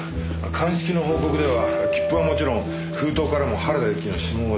鑑識の報告では切符はもちろん封筒からも原田由紀の指紋は出ていません。